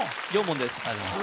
４問です